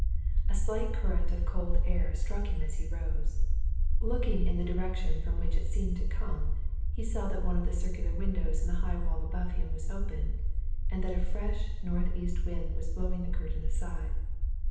A slight current of cold air struck him as he rose looking in the direction from which it seemed to come, he saw that one of the circular windows in the high wall above him was open, and that a fresh north east wind was blowing the curtain aside.